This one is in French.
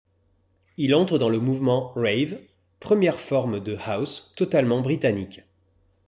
Il entre dans le mouvement rave, première forme de house totalement britannique.